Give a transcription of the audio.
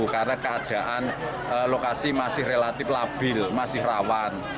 karena keadaan lokasi masih relatif labil masih rawan